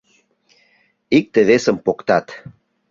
— Икте-весым поктат.